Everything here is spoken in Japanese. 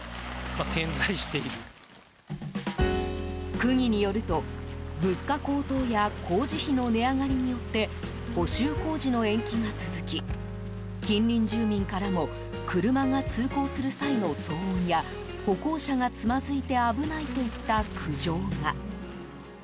区議によると、物価高騰や工事費の値上がりによって補修工事の延期が続き近隣住民からも車が通行する際の騒音や歩行者がつまずいて危ないといった苦情が。